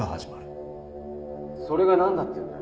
それがなんだっていうんだ？